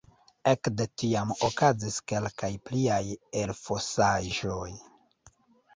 Ekde tiam okazis kelkaj pliaj elfosaĵoj.